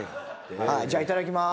じゃあいただきます。